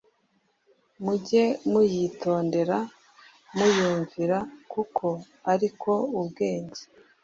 Mujye muyitondera, muyumvira, kuko ari ko ubwenge